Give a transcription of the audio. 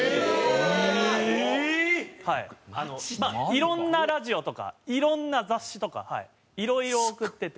いろんなラジオとかいろんな雑誌とかいろいろ送ってて。